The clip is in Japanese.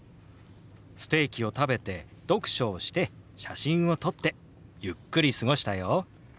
ステーキを食べて読書をして写真を撮ってゆっくり過ごしたよ。